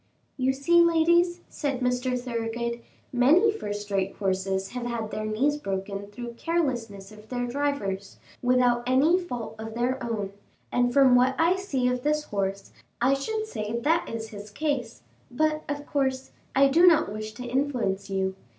"You see, ladies," said Mr. Thoroughgood, "many first rate horses have had their knees broken through the carelessness of their drivers, without any fault of their own, and from what I see of this horse, I should say that is his case; but, of course, I do not wish to influence you.